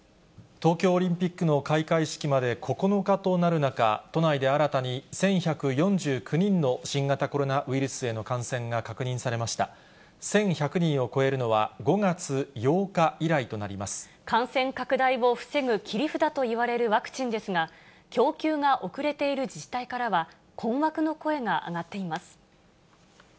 東京オリンピックの開会式まで９日となる中、都内で新たに１１４９人の新型コロナウイルスへの感染が確認され感染拡大を防ぐ切り札といわれるワクチンですが、供給が遅れている自治体からは、困惑の声が上がっています。